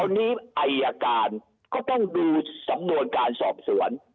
วันนี้อายการก็ต้องดูสำนวนการสอบสวน